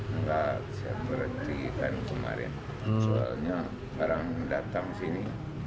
ya saya berhenti kan kemarin soalnya barang datang sini